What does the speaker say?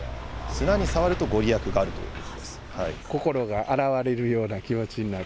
綱に触るとご利益があるというこ